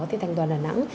thì thành đoàn đà nẵng